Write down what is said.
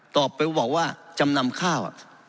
ต่อไปบอกว่าจำนำข้าว